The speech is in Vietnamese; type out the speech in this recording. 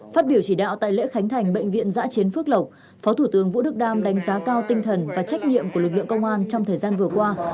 phát biểu chỉ đạo tại lễ khánh thành bệnh viện giã chiến phước lộc phó thủ tướng vũ đức đam đánh giá cao tinh thần và trách nhiệm của lực lượng công an trong thời gian vừa qua